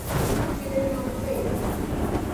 He did not fail.